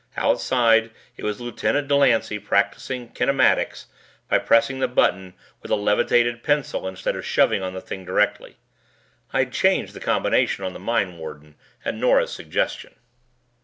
Outside it was Lieutenant Delancey practising kinematics by pressing the button with a levitated pencil instead of shoving on the thing directly. (I'd changed the combination on the mindwarden at Nora's suggestion.)